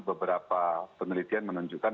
beberapa penelitian menunjukkan